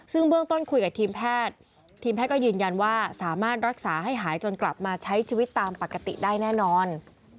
ซึ่งเบื้องต้นคุยกับทีมแพทย์ทีมแพทย์ก็ยืนยันว่าสามารถรักษาให้หายจนกลับมาใช้ชีวิตตามปกติได้แน่นอน